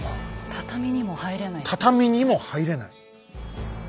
畳にも入れない！